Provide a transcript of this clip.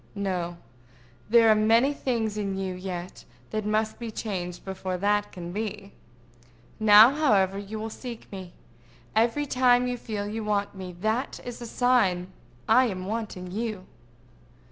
No; there are many things in you yet that must be changed before that can be. Now, however, you will seek me. Every time you feel you want me, that is a sign I am wanting you.